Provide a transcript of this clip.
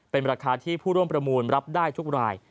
เป็นราคาที่ผู้ร่วมประมูลรับได้ทุกราย